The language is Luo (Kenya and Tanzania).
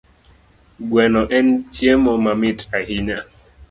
Gweno en chiemo mamit ahinya